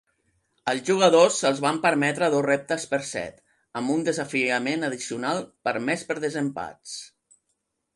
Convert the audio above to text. Als jugadors se'ls van permetre dos reptes per set, amb un desafiament addicional permès per desempats.